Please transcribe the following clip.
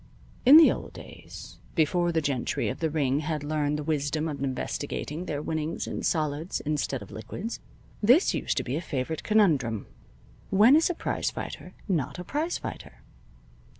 In the old days, before the gentry of the ring had learned the wisdom of investing their winnings in solids instead of liquids, this used to be a favorite conundrum: When is a prize fighter not a prize fighter?